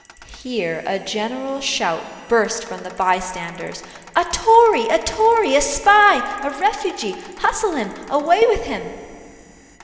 Here a general shout burst from the bystanders "a tory! a tory! a spy! a refugee! hustle him! away with him!"